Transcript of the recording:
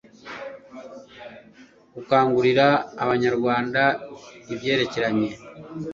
gukangurira abanyarwanda ibyerekeranye